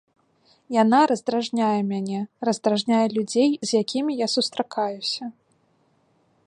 Яна раздражняе мяне, раздражняе людзей, з якімі я сустракаюся.